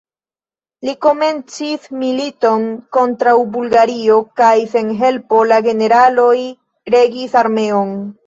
Li komencis militon kontraŭ Bulgario kaj sen helpo de generaloj regis armeon.